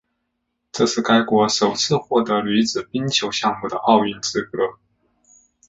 这是该国首次获得女子冰球项目的奥运资格。